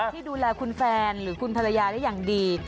ที่ดูแลคุณแฟนหรือคุณภรรยาได้อย่างดี